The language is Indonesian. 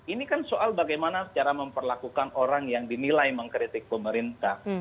ini kan soal bagaimana cara memperlakukan orang yang dinilai mengkritik pemerintah